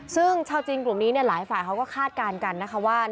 ซึ่งชาวจีนกลุ่มนี้หลายฝ่ายเขาก็คาดการณ์กันนะคะว่า